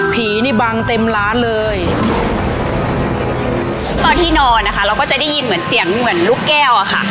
นี่บังเต็มร้านเลยตอนที่นอนนะคะเราก็จะได้ยินเหมือนเสียงเหมือนลูกแก้วอะค่ะ